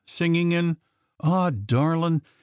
Singing in "Aw, darling!